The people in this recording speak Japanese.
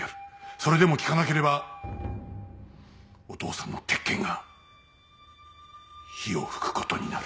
それでも聞かなければお父さんの鉄拳が火を吹くことになる。